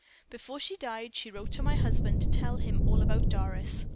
Before she died she wrote to my husband to tell him all about Doris.